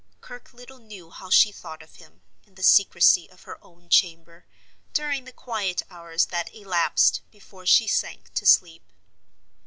Kirke little knew how she thought of him, in the secrecy of her own chamber, during the quiet hours that elapsed before she sank to sleep.